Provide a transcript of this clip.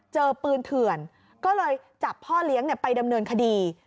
เจอปืนเถื่อนก็เลยจับพ่อเลี้ยงไปดำเนินคดี